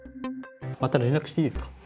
また連絡していいですか。